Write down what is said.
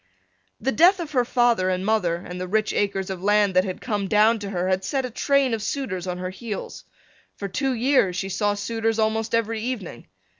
The death of her father and mother and the rich acres of land that had come down to her had set a train of suitors on her heels. For two years she saw suitors almost every evening.